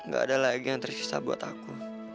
gak ada lagi yang tersisa buat aku